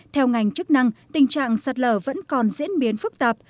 theo ngành chức năng tình trạng sạt lở vẫn còn diễn biến phức tạp